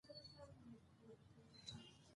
زه له خپل پلار او مور څخه دؤعا غواړم.